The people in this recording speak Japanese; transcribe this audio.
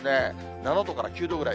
７度から９度ぐらい。